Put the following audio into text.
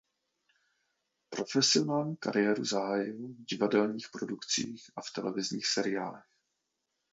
Profesionální kariéru zahájil v divadelních produkcích a v televizních seriálech.